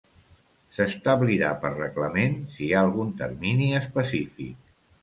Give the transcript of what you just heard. S'establirà per reglament si hi ha algun termini específic.